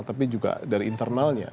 tapi juga dari internalnya